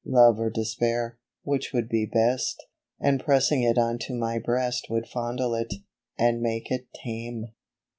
Love or Despair (which would be best V) And pressing it unto my breast Would fondle it, and make it tame